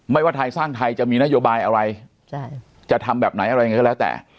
ไม่ว่าสร้างไทยจะมีนโยบายอะไรจะทำแบบไหนอะไรอย่างนี้แล้วแต่